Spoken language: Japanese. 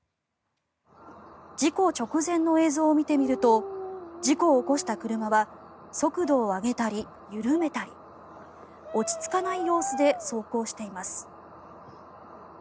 事故直前の映像を見てみると事故を起こした車は速度を上げたり緩めたり落ち着かない様子で走行しています。